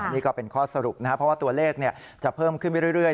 นี่ก็เป็นข้อสรุปนะครับเพราะว่าตัวเลขจะเพิ่มขึ้นไปเรื่อย